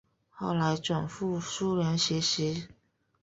后来转赴苏联学习。